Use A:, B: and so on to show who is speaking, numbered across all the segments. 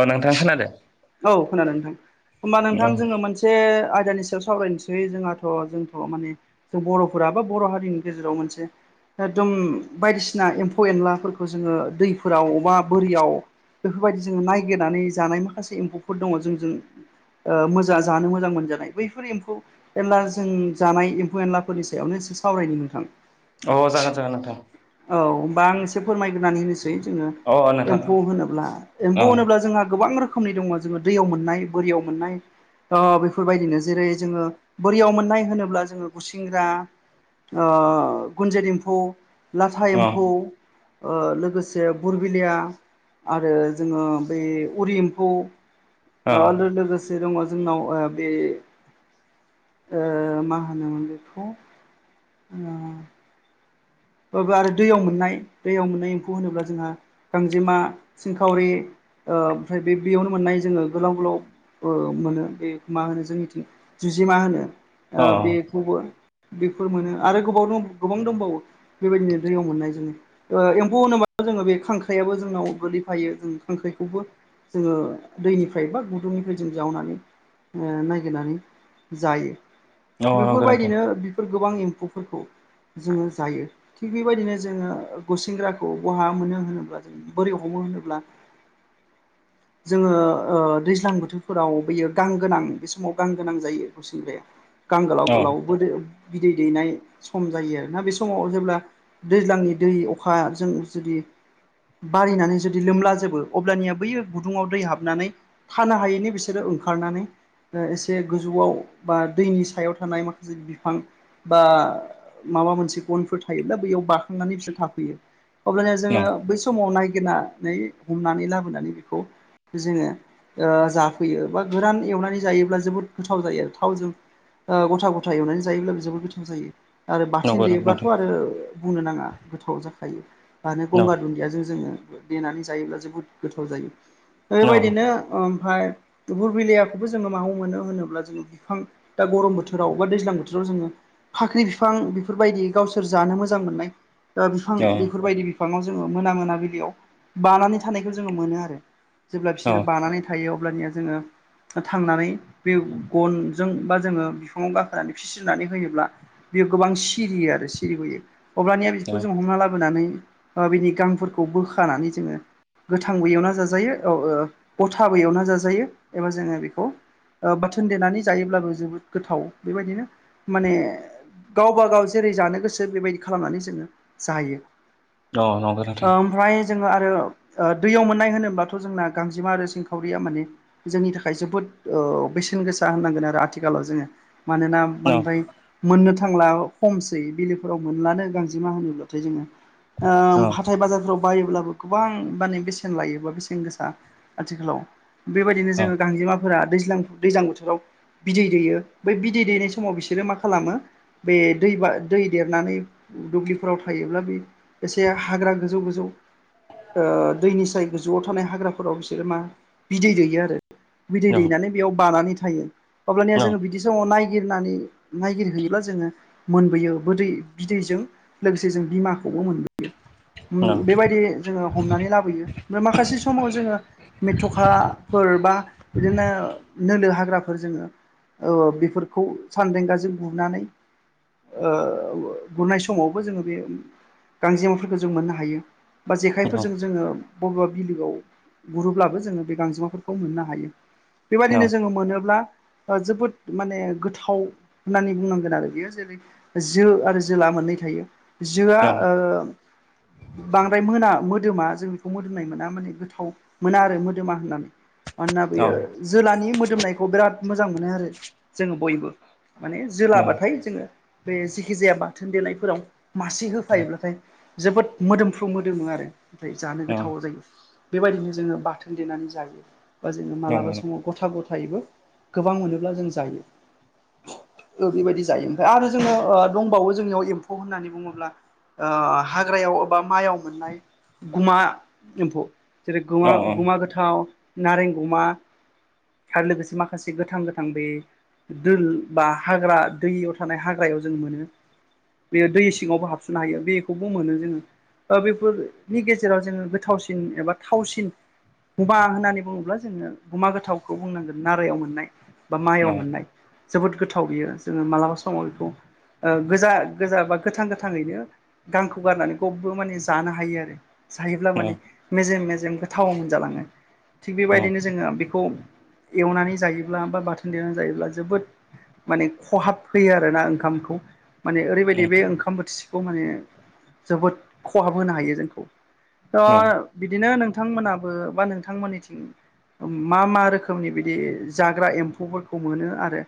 A: अ नोंथां खोनादो।
B: औ खोनादों नोंथां होमबा नोंथां जोङो मोन से आयदानि सायाव सावरायनोसै जोंहाथ' जोंथ' माने जों बर'फोरा बा बर' हारिनि गेजेराव मोनसे एकदम बायदिसिना एम्फौ एनलाफोरखौ जोङो दैफोराव बा बोरियाव बेफोरबायदि जोङो नायगिरनानै जानाय माखासे एम्फौफोर दङ जों जों ओ मोजां जानो मोजां मोनजानाय बैफोर एम्फौ एनला जों जानाय एम्फौ एनलाफोरनि सायावनो एसे सावरायनो नोंथां।
A: अ जागोन जागोन नोंथां।
B: औ होमबा आं एसे फोरमायग्रानै होनोसै जोङो
A: अ
B: एम्फौ होनोब्ला एम्फौ होनोब्ला जोंहा गोबां रो रोखोमनि दङ जोङो दैयाव मोननाय बोरियाव मोननाय ओ बेफोरबायदिनो जेरै जोङो बोरियाव मोननाय होनोब्ला जोङो गुसिंग्रा ओ गुन्जित एम्फौ लाथा एम्फौ
A: नोंथां
B: ओ लोगोसे बुरबिलिया आरो जोङो बै उरि एम्फौ
A: अ
B: ओ लो-लोगोस से दङ जोंनाव बे मा ओ होनोमोन बेखौ अ। बा बो आरो दैयाव मोननाय दैयाव मोननाय एम्फौ होनोब्ला जोंहा गांजेमा सिंखावरि ओ ओमफ्राय बे बेयावनो मोननाय जोङो गोलाव गोलाव ओ मोनो बे मा होनो जोंनिथिं जुजिमा होनो। ओ बेखौबो बेफोर मोनो आरो गोबाव दं गोबां दंबावो बेबायदिनो दैयाव मोननाय जोङो ओ एम्फौ होनोब्ला जोङो बे खांख्राइयाबो जोंनाव गोलैफायो जों खांख्राइखौबो जोङो दैनिफ्राय बा गुदुंनिफ्राय जों जावनानै ओ नागिरनानै जायो। बेफोरबायदिनो बेफोर गोबां एम्फौफोरखौ जोङो जायो थिग बेबायदिनो जोङो ओ गुसेंग्राखौ बहा मोनो होनोब्ला जों बोरै हमो होनोब्ला जोङो ओ दैज्लां बोथोरफोराव बैयो गां गोनां बे समाव गां गोनां जायो खुसिंग्राया, गां गोलाव
A: अ
B: गोलावबो जायो बिदै दैनाय सम जायो आरोना बे समाव जेब्ला दैज्लांनि दै अखाजों जुदि बारिनानै जुदि लोमला जोबो अब्लानिया बैयो गुदुङाव दै हाबनानै थानो हायैनि बिसोरो ओंखारनानै ओ एसे गोजौआव बा दैनि सायाव थानाय माखासे बिफां बा माबा मोनसे गनफोर थायोब्ला बैयाव बाखांनानै बिसोर थाफैयो अब्लानिया जोङो
A: नंगौ
B: बै समाव नायगिरनानै हमनानै लाबोनानै बेखौ जोङो ओ जाफैयो बा गोरान एवनानै जायोब्ला जोबोद गोथाव जायो आरो थावजों ओ गथा गथा एवनानै जायोब्लाबो जोबोर गोथाव जायो। आरो बाथोन देयोब्लाथ'
A: नोंथां
B: आरो बुंनो नाङा गोथाव जाखायो। दानो
A: औ
B: गंगार दुन्दियाजों जोङो देनानै जायोब्ला जोबोद गोथाव जायो
A: औ नंगौ नोंथां औ
B: बेबायदिनो ओमफ्राय बुरबिलियाखौबो जोङो मायाव मोनो होनोब्ला जोङो बिफां दा गरम बोथोराव बा दैज्लां बोथोराव जोङो फाख्रि बिफां बेफोरबायदि गावसोर जानो मोजां मोननाय ओ बिफां बेफोरबायदि बि फांआव जोङो मोना मोनाबिलियाव बानानै थानायखौ जोङो मोनो आरो जेब्ला बिसोरो बानानै थायो अब्लानिया जोङो थांनानै बे गनजों बा जोङो बिफाङाव गाखोनानै फिस्रिनानै होयोब्ला बेयो गोबां सिरियो आरो सिरिबोयो अब्लानिया बेखौ जों हमना लाबोनानै ओ बिनि गांफोरखौ बोखानानै जोङो गोथां बो येवना जाजायो औ ओ गथाबो येवना जाजायो एबा जोङो बेखौ ओ बाथोन देनानै जायोब्लाबो जोबोद गोथाव बेबायदिनो माने गावबा गाव जेरै जानो गोसो बेबायदि खालामनानै जोङो जायो।
A: औ औ नंगौ नोंथां औ
B: ओमफ्राय जोङो आरो ओ दैयाव मोननाय होनोबथ' जोंना गांजेमा आरो सिंखावरिया जोंना माने जोंनि थाखाय जोबोद ओ बेसेन गोसा होननांगोन आरो आथिखालाव जोङो मानोना
A: औ
B: बांद्राय मोननो थांला खमसै बिलोफोराव मोनलानो गांजेमा होनोब्लाथाय जोङो। ओ हाथाय बाजारफ्राव बायोब्लाबो गोबां माने बेसेन लायोबा बेसेन गोसा आथिखालाव। बेबायदिनो जोङो गांजेमाफोरा दैज्लां दैज्लां बोथोराव बिदै दैयो बै बिदै दैनाय समाव बिसोरो मा खालामो बे दैबा दै देरनानै दुब्लिफोराव थायोब्ला बे एसे हाग्रा गोजौ गोजौ ओ दैनि साय गोजौआव थानाय हाग्राफोराव बिसोरो मा बिदै दैयो आरो। बिदै दैनानै बेयाव बानानै थायो अब्लानिया जोङो बि बिदि समाव नायगिरनानै नायगिरहैयोब्ला जोङो मोनबोयो। बोदै बिदैजों लोगोसे जों बिमाखौबो मोनबोयो उम बेबायदि जोङो हमनानै लाबोयो ओमफ्राय माखासे समाव जोङो मेथ'खाफोर बा बिदिनो नोलोर हाग्राफोर जोङो औ बेफोरखौ सानदेंगाजों गुनानै ओ गुरनाय समावबो जोङो बे गांजेमाफोरखौ जों मोननो हायो। बा जेखाइफोरजों जोङो बबेबा बिलगआव गुरोब्लाबो जोङो बे गांजेमाफोरखौ मोननो हायो। बेबायदिनो जोङो मोनोब्ला ओ जोबोद माने गोथाव होननानै बुंनांगोन आरो बियो जेरै जो आरो जोला मोननै थायो, जोआ ओ बांद्राय मोना मोदोमा जों बेखौ मोदोमनाय मोना माने गोथाव मोना आरो मोदोमा होननानै। मानोना बेयो जोलानि मोदोमनायखौ बिराद मोजां मोनो आरो जोङो बयबो। माने जोलाबाथाय जोङो बे जेखि जाया बाथोन देनायफोराव मासे होफायोब्लाथाय जोबोद मोदोमफ्रु मोदोमो आरो ओमफ्राय जानो गोथाव जायो। बेबायदिनो जोङो बाथोन देनानै जायो बा जोङो मालाबा समाव गथाबो थायोबो गोबां मोनोब्ला जों जायो ओैरैबायदि जायो ओमफ्राय आरो जोङो ओ दंबावो जोंनियाव एम्फौ होननानै बुङोब्ला ओ हाग्रायाव एबा माइयाव मोननाय गुमा एम्फौ जेरै गुमा गुमा गोथाव नारें गुमा आरो लोगोसे माखासे गोथां गोथां बे दोल बा हाग्रा दैयाव थानाय हाग याव जों मोनो बेयो दै सिङावबो हाबसोननो हायो बेखौबो मोनो जोङो ओ बेफोरनि गेजेराव जोङो गोथावसिन एबा थावसिन हबा होननानै बुङोब्ला जोङो गुमा गोथावखौ बुंनांगोन नारायाव मोननाय बा माइआव मोननाय जोबोद गोथाव बियो जोङो मालाबा समाव बिखौ ओ गोजा गोजा बा गोथां गोथाङैनो गांखौ गारनानै गबो माने जानो हायो आरो जायोब्ला माने मेजेम मेजेम गोथाव मोनजालाङो थिग बेबायदिनो जोङो बिखौ एवनानै जायोब्ला बा बाथोन देनानै जायोब्ला जोबोद माने खहाब होयो आरोना ओंखा खामखौ माने ओरैबायदि
A: औ
B: बे ओंखाम बोथिसेखौ माने जोबोद खहाब होनो हायो जोंखौ
A: औ
B: त' बिदिनो नोंथांमोनाबो बा नोंथांमोननिथिं ओम मा मा रोखोमनि बिदि जाग्रा एम्फौफोरखौ मोनो आरो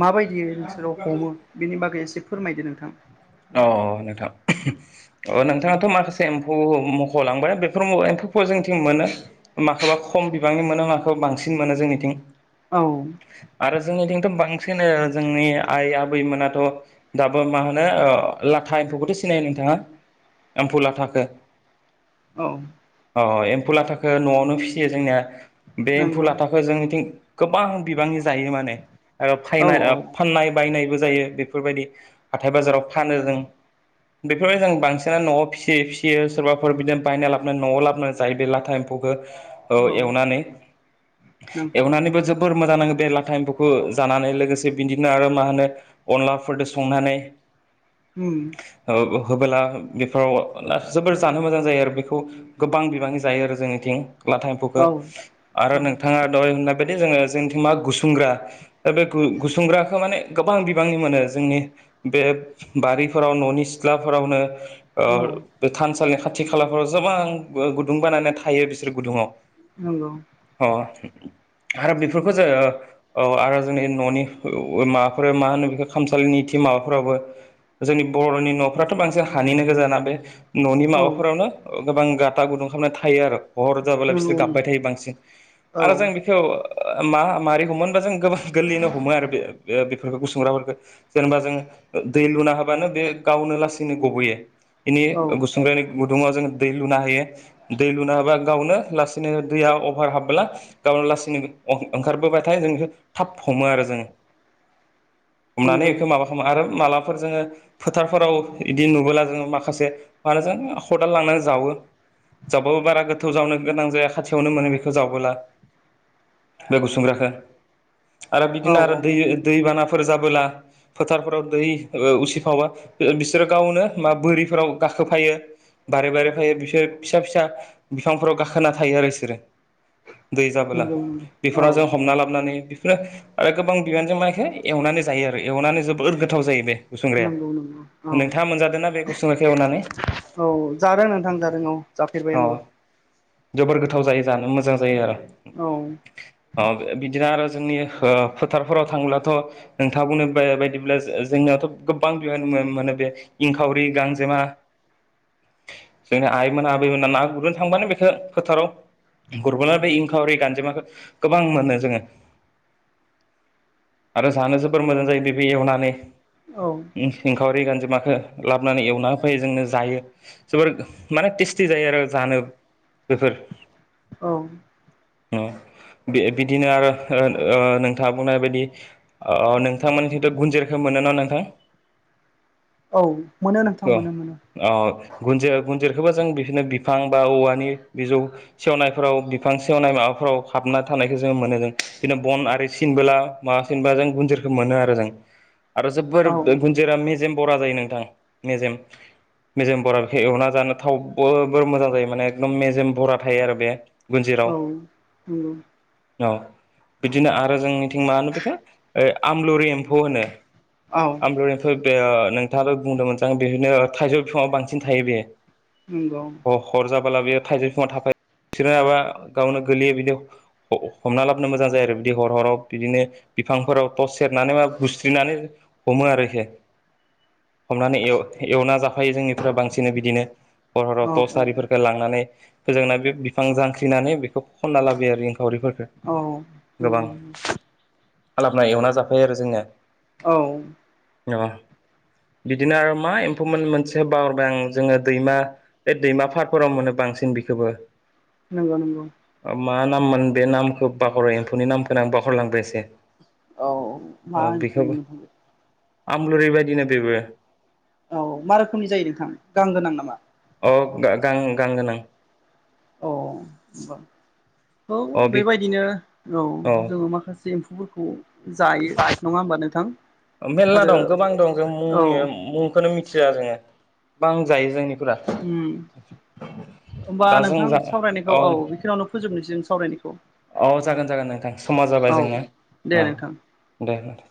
B: माबायदियै नोंसोरो हमो बेनि बागै एसे फोरमायदो नोंथां।
A: अ नोंथां [unintelligible] अ नोंथाङाथ' माखासे ब' मख'लांबाय बेफोर एम्फौ फो जोंनिथिं मोनो माखौबा खम बिबांनि मोनो माखौबा बांसिन मोनो जोंनिथिं
B: औ
A: आरो जोंनिथिंथ' बांसिन ओ जोंनि आइ आबैमोनाथ' दाबो मा होनो ओ अ लाथा एम्फौखौथ' सिनायो नोंथांङा एम्फौ लाथाखो?
B: औ
A: अ एम्फौ लाथाखो न'आवनो फिसियो जोंनिया बे एम्फौ
B: नंगौ
A: लाथाखौ जोंनिथिं गोबां बिबांनि जायो माने ओ
B: औ
A: फायनाय ओ फाननाय बायनायबो जायो बेफोरबायदि हाथाय बाजाराव फानो जों बेफोर जों बांसिनानो न'आव फिसियै फिसियो सोरबाफोर बिदिनो बायना लाबोनानै न'आव लाबोनो जायो बे लाथा एमफौ एमफौखो ओ
B: औ
A: एवनानै
B: नंगौ
A: एवनानैबो जोब जोबोर मोजां नांङो बे लाथा एम्फौखौ जानानै लोगोसे बिदिनो आरो मा होनो अनलाफोरजों संनानै [unintelligible]
B: उम
A: ओ होबोला बेफोराव जोबोर जानो मोजां जायो आरो बेखौ गोबां बिबांनि जायो आरो जोंनिथिं लाथा एम्फौखो
B: औ
A: आरो
B: औ
A: नोंथाङा दहाय बुंननाय बेदिनो जोंङो जोंनिथिं मा गुसुंग्रा ओ बे गु गुसुंग्राखौ माने गोबां बिबांनि मोनो जोंनि बे बारिफोराव न'नि सिथ्लाफोरावनो ओ बो थानसालिनि खाथि खालाफोराव जोबां गुदुं बानायनानै थायो बिसोर गुदुंङाव
B: नंगौ
A: अ आरो बेफोरखौ जोंङो औ आरो जोंनि न'नि माबाफोर मा होनो बेखौ खामसालिनि टिमाव फोराबो जोंनि बर'नि न'फ्राथ' बांसिन हानिनो गोजाना बे न'नि माबाफोरावनो गोबां गाता गुदुं खामनानै थायो आरो हर जाबायलाय
B: नंगौ
A: बिसोरो
B: नंगौ
A: गाबबाय थायो बांसिन
B: औ
A: आरो जों बे
B: औ
A: बेयखौ मा माबारै हमोनबा जों गोबां गोरलैनो हमो आरो बे बेफोरखौ गुसुंग्राफोरखौ जेनेबा जोंङो दै लुना हाबानो बे गावनो लासैनो गब'यो बेनि गुसुंग्रानि गुदुङाव जोंङो दै लुना हायो दै लुना होबा गावनो लासैनो दैया अभार हाबला गाबोन लासैनो ओंखारबोबायथाय जों बेखौ थाब हमो आरो जोंङो
B: [inaudible]
A: हमनानै इखो माबा खालामो आरो मालाफोर जोंङो फोथारफोराव इदि नुबोला जोंङो माखासे मानो जों खदाल लांनानै जावो जावबाबो बारा गोथौ जावनो गोनां जाया खाथियावनो मोनो बेखौ जावबोला बे गुसुंग्राखौव आरो
B: औ
A: बिदिनो आरो दै दैबानाफोर जाबोला फोथारफोराव दै उसिफावा बिसोरो गावनो मा बोरिफोराव गाखोफायो बारे बारे फायो बिसोरो फिसा फिसा बिफांफोराव गाखोना थायो आरो बिसोरो दै जाबोला
B: नंगौ नंगौ औ
A: बेफोराव जों हमना ला हाबनानै बेफोरनो आरो गोबां बिबानजों मानखौ एवनानै जायो आरो एवनानै जोबोर गोथाव जायो बे। खुसेंग्राया
B: नंगौ नंगौ औ
A: नोंथांङा मोनजादों ना? बे खुसेंग्राखौ एवनानै
B: औ जादों नोंथां जादों। औ
A: अ
B: जाफेरबाय आंबो
A: जोबोर गोथाव जायो जानो मोजां जायो आरो।
B: औ
A: बिदिनो आरो जोंनि फोथारफोराव थांब्लाथ' नोंथां बुंनो बायदिब्ला? जोंनियावथ' गोबां बिबांनि मोनो बे इंखावरि गांजेमा जोंनि आइमोना आबैमोना ना गुरनो थांबानो बेखौ फोथाराव गुरबला बे इंखावरि गानजेमाखौ गोबां मोनो जोंङो। आरो जानो जोबोर मोजां जायो बेबो एवनानै।
B: औ
A: सिंखावरि गानजेंमााखो लाबोनानै एवना होफैयो जोंनो जायो। जोबोर माने टेस्टि जायो आरो जानो बेफोर
B: औ
A: बे बिदिनो आरो नोंथांङा बुंनाय बायदि नोंथांमोनानि खन्थ' गुन्जिरखौ मोनो नंङा नोंथां।
B: औ मोनो नोंथां मोनो मोनो
A: गुनन्ज गुनन्जिरखौोबा जों बिदिनो बिफां बा औवानि बिजौ सेवनायफोराव बिफां सेवनाय माबाफोराव हाबना थानायखौ जोङो मोनो जों बिदिनो बन आरि सिनबोला माबाफिनबा जों गुन्जिरखौ मोनो आरो जों। आरो जोबोर
B: औ
A: गुनजोरा मेजेम बरा जायो नोंथां मेजेम मेजेम बरा बेखाय एवना जानो थावोर मोजां जायो माने एखदम मेजेम बरा थायो आरो बे। गुन्जिराव
B: औ
A: औ बिदिनो आरो जोंनिथिं मा होनो बेखा आमलुरि एम्फौ होनो आमलनिफोर बे नोंथाङाबो बुंदोंमोनज आं बेनो थाइजौ बिफाङआ बांसिन थायो बेयो
B: मगं
A: हर जाबोला बेयो थाइजौ फङा थाायो बिाबा गावनो गोलैयो बिदि हमना लाबोनो मोजां जायो आरो बिदि हर हराव बिदिनो बिफांफोराव थ' सेरनानै बा गुस्रिनानै हमो आरोख हमनानै एवना जाफायो जोंनिफ्राय बांसिन बिदिनो हर हराव
B: औ
A: थसारिफोरफोरखौ लांनानै फोजोंना बे बिफां जांख्रिनानै बेखौ खनना लाबोयो इनखावरिफोर
B: नंगौ औ
A: गोबां
B: नंगौ
A: लाबना एवना जाफायो आरो जोंनिया
B: औ
A: अ बिदिनो आरो मा? एम्फौमोन मोनसे बावारबाय आं जोंङो दैमा बे दैमा पारफोराव मोनो बांसिन बेखौवबो
B: नंगौ नंगौ
A: मा नाम मोन बे नामखौ बाखरो एम्फौनि नामखौनो आं बाखहरलांबाय एसे?
B: औ मा एम्फौ मोननो थोन
A: आमलुरिबायायदिनो बेबो
B: औ मा रोखोमनि जायो नोंथां गां गोनां नामा?
A: अ गां गान गोनां।
B: औब औ
A: अ बे
B: बेबायदिनो औ जोंङो माखासे एम्फौफोरखौ जायो नंङा होमबा नोंथां।
A: मेरला
B: आरो
A: दं गोबां दं जों
B: औ
A: मुंनि मुंखौनो मिथिया जोङो बां जायो जोंनि
B: उम होमबा
A: दा जों
B: नोंथां
A: जा
B: सावरायनायखौ औ बेखिनियावनो फोजोबनोसै सावरायनायखौ।
A: औ जागोन जागोन नोंथां समा जाबाय
B: औ
A: जोंनो
B: दे नोंथां
A: औ दे होनोबा